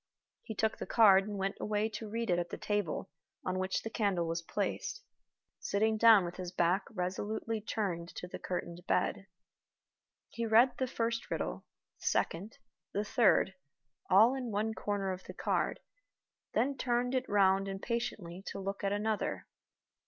He took the card and went away to read it at the table on which the candle was placed, sitting down with his back resolutely turned to the curtained bed. He read the first riddle, the second, the third, all in one corner of the card, then turned it round impatiently to look at another.